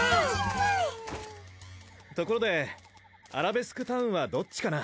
ところでアラベスクタウンはどっちかな？